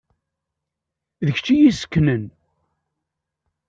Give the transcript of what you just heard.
D kečč i y-isseknen.